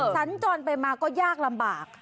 สัญจรไปมาก็ยากลำบาก